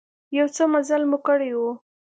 يو څه مزل مو کړى و.